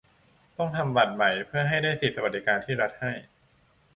ต้องทำบัตรใหม่เพื่อให้ได้สิทธิ์สวัสดิการที่รัฐจัดให้